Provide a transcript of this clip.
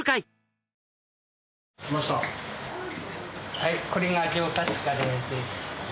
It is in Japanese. はいこれが上カツカレーです。